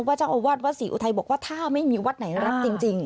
วัดเจ้าอวัฒร์วัดสี่อุทัยบอกว่าถ้าไม่มีวัดไหนระป์จริง